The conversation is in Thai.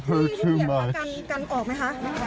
ผมรักเธอมาก